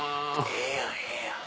ええやんええやん。